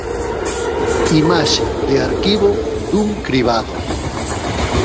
Imaxe de arquivo dun cribado.